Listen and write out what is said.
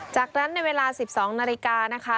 จากนั้นในเวลา๑๒นาฬิกานะคะ